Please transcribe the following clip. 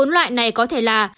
bốn loại này có thể là